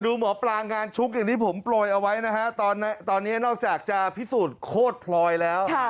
หมอปลางานชุกอย่างที่ผมโปรยเอาไว้นะฮะตอนนี้นอกจากจะพิสูจน์โคตรพลอยแล้ว